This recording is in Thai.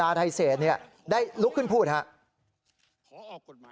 ประทานประเทศชาติผมก็อยากให้เขาทำ